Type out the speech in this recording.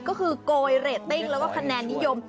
ก็คือโกยเรตติ้งแล้วก็คะแนนนิยม